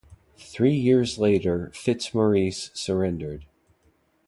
Three years later FitzMaurice surrendered.